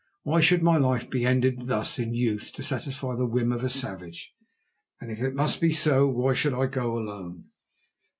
Why should my life be ended thus in youth to satisfy the whim of a savage? And if it must be so, why should I go alone?